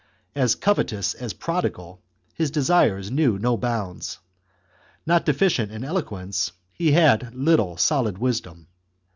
As covetous as prodigal, his desires knew no bounds. Not deficient in elo quence, he had little solid wisdom.